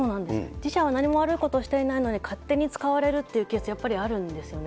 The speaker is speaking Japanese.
自社は何も悪いことをしていないのに、勝手に使われるというケース、やっぱりあるんですよね。